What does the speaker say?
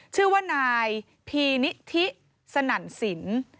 ชื่อว่านายพีนิธิสนั่นสิน